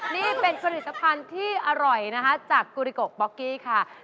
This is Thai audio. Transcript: นี่เป็นผลิตภัณฑ์ที่อร่อยจากปูริกรกอล์กปอล์กกี้ค่ะ